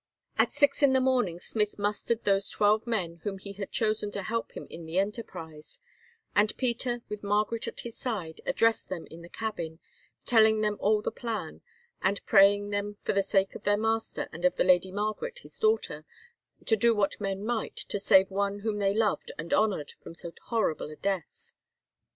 At six in the morning Smith mustered those twelve men whom he had chosen to help him in the enterprise, and Peter, with Margaret at his side, addressed them in the cabin, telling them all the plan, and praying them for the sake of their master and of the Lady Margaret, his daughter, to do what men might to save one whom they loved and honoured from so horrible a death.